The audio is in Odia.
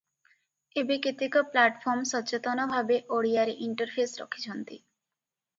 ଏବେ କେତେକ ପ୍ଲାଟଫର୍ମ ସଚେତନ ଭାବେ ଓଡ଼ିଆରେ ଇଣ୍ଟରଫେସ ରଖିଛନ୍ତି ।